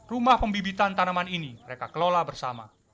rumah pembibitan tanaman ini mereka kelola bersama